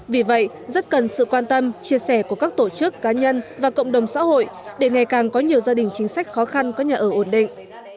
vì vậy rất cần sự quan tâm chia sẻ của các tổ chức cá nhân và cộng đồng xã hội để ngày càng có nhiều gia đình chính sách khó khăn có nhà ở ổn định